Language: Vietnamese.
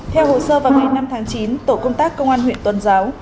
theo hồ sơ vào ngày năm tháng chín tổ công tác công an huyện tuần giáo